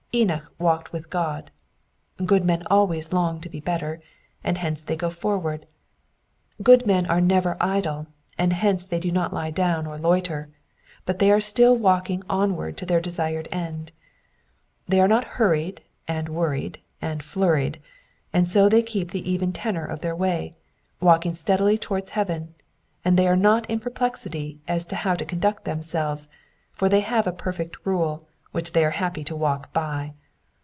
Enoch walked with God. Good men always long to be better, and hence they go forward. Good men are never idle, and hence they do not lie down or loiter, but they are still walking onward to their desired end. They are not hurried, and worried, and flurried, and so they keep the even tenor of their way, walking steadily towards heaven ; and they are not m perplexity as to how to conduct themselves, for they have a perfect rule, which they are happy to walk by.